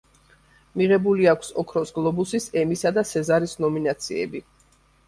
მიღებული აქვს ოქროს გლობუსის, ემისა და სეზარის ნომინაციები.